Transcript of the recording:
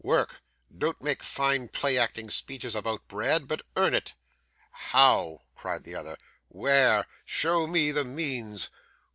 Work. Don't make fine play acting speeches about bread, but earn it.' 'How?' cried the other. 'Where? Show me the means.